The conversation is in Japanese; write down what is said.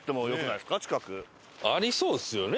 ありそうですよね